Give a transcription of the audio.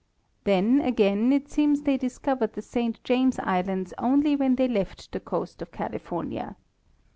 Then, again, it seems they discovered the Saint James islands only when they left, the coast of California.